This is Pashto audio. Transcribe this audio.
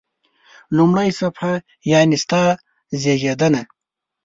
لومړی صفحه: یعنی ستا زیږېدنه.